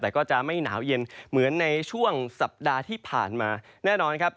แต่ก็จะไม่หนาวเย็นเหมือนในช่วงสัปดาห์ที่ผ่านมาแน่นอนครับ